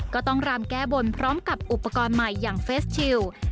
ก็ต้องรำแก้บนพร้อมกับอุปกรณ์ใหม่อย่างเฟสชิล